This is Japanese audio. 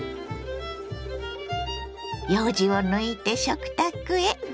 ようじを抜いて食卓へ。